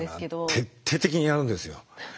徹底的にやるんですよ。